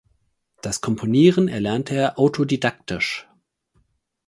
Das Komponieren erlernte er autodidaktisch.